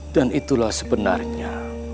dan itulah sebenarnya